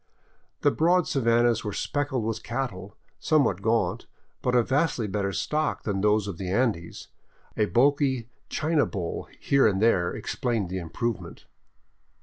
The broad savannas were speckled with cattle, somewhat gaunt, but of vastly better stock than those of the Andes, a bulky China bull here and there explaining the improvement.